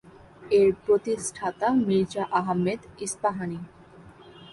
এর প্রতিষ্ঠাতা মির্জা আহমেদ ইস্পাহানি।